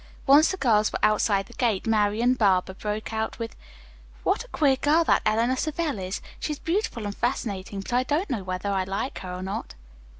Once the girls were outside the gate, Marian Barber broke out with: "What a queer girl that Eleanor Savell is. She is beautiful and fascinating, but I don't know whether I like her or not."